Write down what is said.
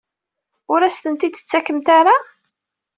Ur as-ten-id-tettakemt ara?